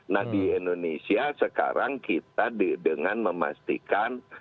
nah di indonesia sekarang kita dengan memastikan